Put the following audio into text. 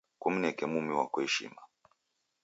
Kumneke mumi wako ishima